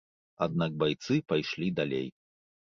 Аднак байцы пайшлі далей.